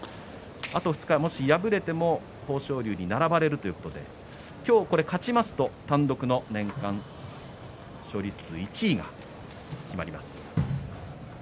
あと２日もし敗れても豊昇龍に並ばれるということで今日、勝ちますと単独の年間勝利数１位が決まります。